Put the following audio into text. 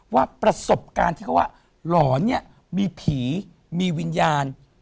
ว่าประสบการณ์ที่เขาว่าหลอนเนี่ยมีผีมีวิญญาณ